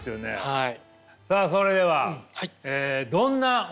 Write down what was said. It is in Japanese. はい。